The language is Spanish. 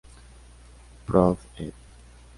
Prodr., ed.